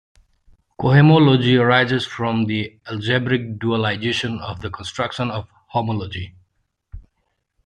Cohomology arises from the algebraic dualization of the construction of homology.